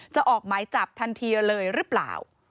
ออกหมายจับทันทีเลยหรือเปล่า